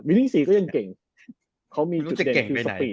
วินิ่ง๔ก็ยังเก่งเขามีจุดเด่นคิวสปีทรู้จะเก่งไปไหน